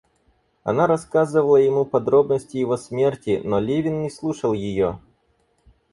Она рассказывала ему подробности его смерти, но Левин не слушал ее.